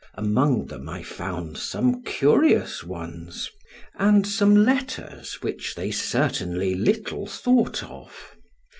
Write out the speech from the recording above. Among them I found some curious ones, and some letters which they certainly little thought of.